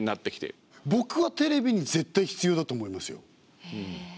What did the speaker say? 僕はテレビに絶対必要だと思いますよ。